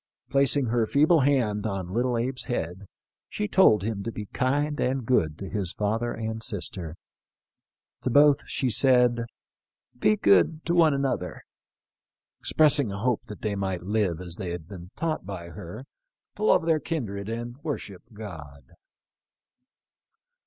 Placing her 'feeble hand on little Abe's head she told him to be kind and good to his father and sister ; to both she said, ' Be good to one another,' expressing a hope that they might live, as they had been taught by her, to love their kindred and worship God."